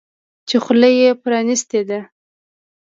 چې خوله یې پرانیستې ده.